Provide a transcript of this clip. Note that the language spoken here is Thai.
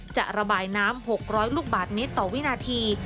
จะระบายน้ำ๖๐๐ลูกบาทเมตรต่อวินาที